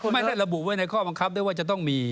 ไม่ได้ระบุไว้ในข้อบังคับด้วยว่าจะต้องมี